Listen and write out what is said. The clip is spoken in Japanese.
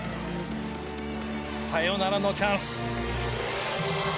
サヨナラのチャンス。